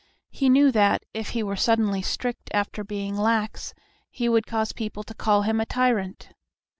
He knew that, if he were suddenly strict after being lax, he would cause people to call him a tyrant.